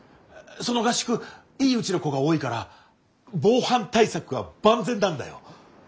その合宿いいうちの子が多いから防犯対策は万全なんだよ。